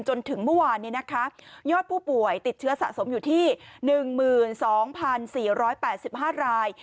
จนถึงเมื่อวานยอดผู้ป่วยติดเชื้อสะสมอยู่ที่๑๒๔๘๕ราย